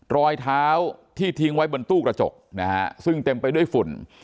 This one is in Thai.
รอยเท้าที่ทิ้งไว้บนตู้กระจกนะฮะซึ่งเต็มไปด้วยฝุ่น